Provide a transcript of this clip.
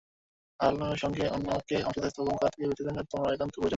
আর আল্লাহর সঙ্গে অন্যকে অংশীদার স্থাপন করা থেকে বেঁচে থাকা তোমার একান্ত প্রয়োজন।